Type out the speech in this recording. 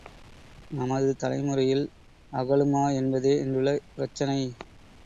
நமது தலைமுறையில் அகலுமா என்பதே இன்றுள்ள பிரச்சனை.